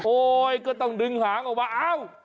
ก็ต้องดึงหางออกมาอ้าว